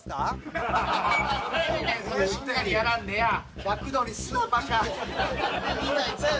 しっかりやらんでやぁ。